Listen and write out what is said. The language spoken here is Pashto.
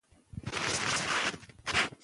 موږ له ناسم تبلیغاتو نه خلاص یو.